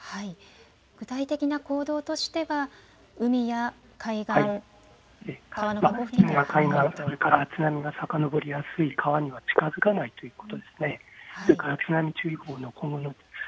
具体的な行動としては海や海岸、川の河口付近、それから津波がさかのぼりやすい川には近づかないということです。